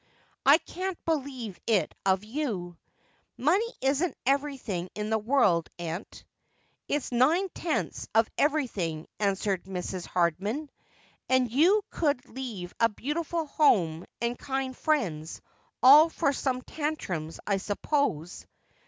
I can't believe it of you.' ' Money isn't everything in the world, aunt.' 'It's nine tenths of everything,' answered Mrs. Hardman. And you could leave a beautiful home, and kind friends, all for some tantrums, I suppose.'